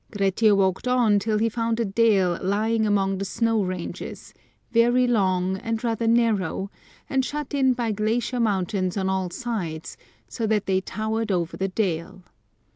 Grettir walked on till he found a dale lying among the snow ranges, very long, and rather narrow, and shut in by glacier mountains on all sides, so that they towered over the dale.